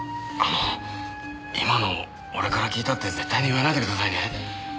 あの今の俺から聞いたって絶対に言わないでくださいね。